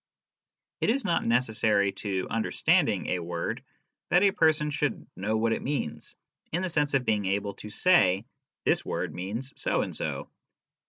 It is not necessary to " understanding " a word that a person should " know what it means," in the sense of being able to say " this word means so and so."